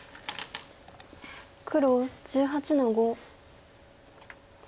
黒１８の五。